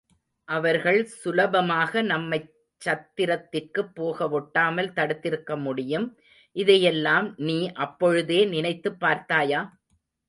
அவர்கள் சுலபமாக நம்மைச் சத்திரத்திற்குப் போகவொட்டாமல் தடுத்திருக்க முடியும். இதையெல்லாம் நீ அப்பொழுதே நினைத்துப் பார்த்தாயா?